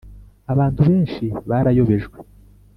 abantu benshi barayobejwe,